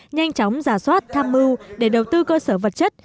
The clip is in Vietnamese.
nhanh chóng giả soát tham mưu để đầu tư cơ sở vật chất